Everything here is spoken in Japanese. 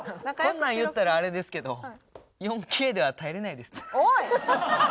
こんなん言ったらあれですけど４Ｋでは耐えれないですね。